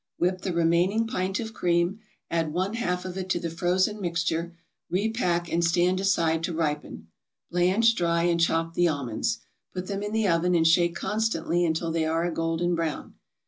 Whip the remaining pint of cream, add one half of it to the frozen mixture, repack and stand aside to ripen. Blanch, dry and chop the almonds. Put them in the oven and shake constantly until they are a golden brown.